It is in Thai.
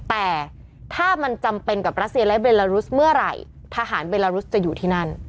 แต่ถ้ามันจำเป็นกับรัสเซียและเบลลารุสเมื่อไหร่ทหารเบลารุสจะอยู่ที่นั่น